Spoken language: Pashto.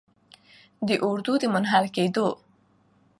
د اردو د منحل کیدو